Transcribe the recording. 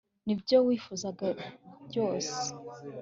nibyo wifuzaga ryose